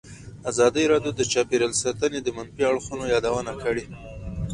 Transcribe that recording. ازادي راډیو د چاپیریال ساتنه د منفي اړخونو یادونه کړې.